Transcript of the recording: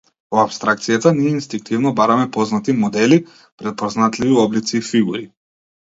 Во апстракцијата, ние инстинктивно бараме познати модели, препознатливи облици и фигури.